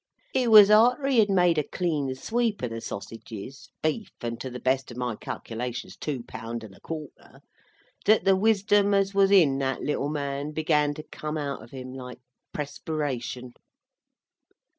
It was arter he had made a clean sweep of the sassages (beef, and to the best of my calculations two pound and a quarter), that the wisdom as was in that little man began to come out of him like prespiration.